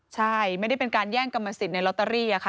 ใช่ไม่ได้เป็นการแย่งกรรมสิทธิ์ในลอตเตอรี่ค่ะ